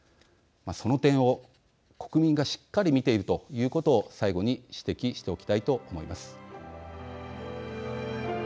その点を、国民がしっかり見ているということを最後に指摘しておきたいと思います。